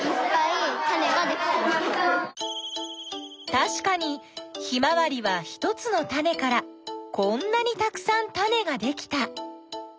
たしかにヒマワリは１つのタネからこんなにたくさんタネができた。